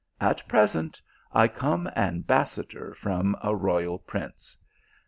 At present, I come ambas sador from a royal prince.